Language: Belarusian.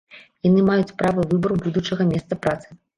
Яны маюць права выбару будучага месца працы.